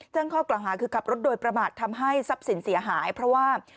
ข้อกล่าวหาคือขับรถโดยประมาททำให้ทรัพย์สินเสียหายเพราะว่า